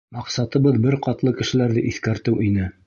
Маҡсатыбыҙ бер ҡатлы кешеләрҙе иҫкәртеү ине.